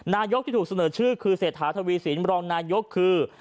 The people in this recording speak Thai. นายกที่ถูกเสนอชื่อคือเศรษฐาทวีสินรองนายกคือ